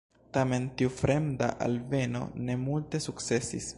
Tamen tiu "fremda" alveno ne multe sukcesis.